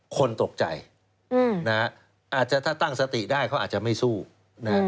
คนตกใจนะฮะอาจจะถ้าตั้งสติได้เขาอาจจะไม่สู้นะฮะ